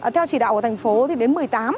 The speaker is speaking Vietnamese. theo chỉ đạo của thành phố thì đến một mươi tám